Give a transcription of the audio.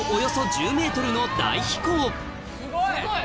すごい！